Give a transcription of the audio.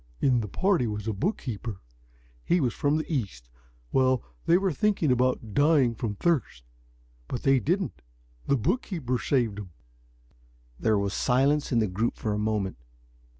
In the party was a bookkeeper. He was from the East. Well, they were thinking about dying from thirst. But they didn't. The bookkeeper saved them." There was silence in the group for a moment.